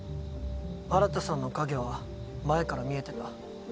新さんの影は前から見えてた。